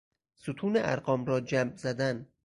ستون ارقام را جمع زدن